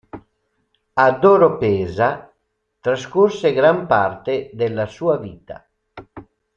Ad Oropesa trascorse gran parte della sua vita.